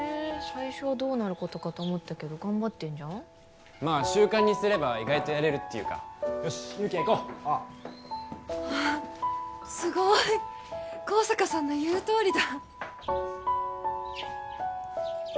最初はどうなることかと思ったけど頑張ってんじゃんまあ習慣にすれば意外とやれるっていうかよし有起哉行こうあああすごい香坂さんの言うとおりだ